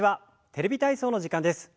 「テレビ体操」の時間です。